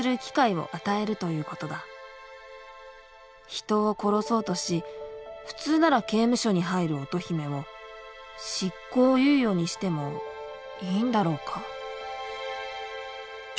人を殺そうとし普通なら刑務所に入る乙姫を執行猶予にしてもいいんだろうか？